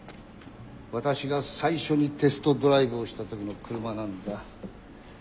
私が最初にテストドライブをした時の車なんだ。